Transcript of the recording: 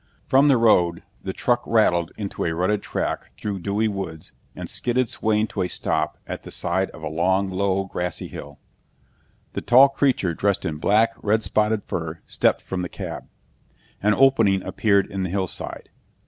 From the road, the truck rattled into a rutted track through dewy woods and skidded swaying to a stop at the side of a long, low, grassy hill. The tall creature dressed in black, red spotted fur stepped from the cab. An opening appeared in the hillside.